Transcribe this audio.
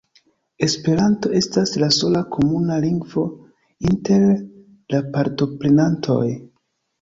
Esperanto estas la sola komuna lingvo inter la partoprenantoj.